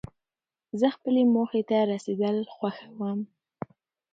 زه خپلې موخي ته رسېدل خوښوم.